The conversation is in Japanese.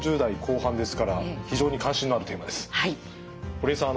堀江さん